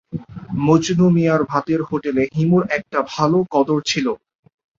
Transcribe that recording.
মজনু মিয়ার ভাতের হোটেলে হিমুর একটা ভালো কদর ছিলো।